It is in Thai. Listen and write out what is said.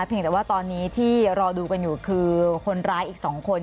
แต่ว่าตอนนี้ที่รอดูกันอยู่คือคนร้ายอีก๒คน